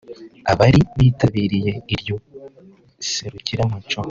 Abari bitabiriye iryo serukiramuco